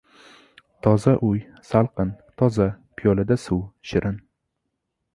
• Toza uy — salqin, toza piyolada suv — shirin.